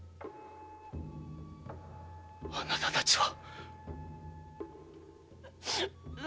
あなたたちは！